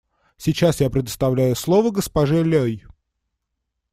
Сейчас я предоставляю слово госпоже Лёй.